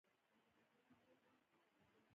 ژبه باید د ویاړ سبب وي.